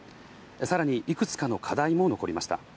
さらにいくつかの課題も残りました。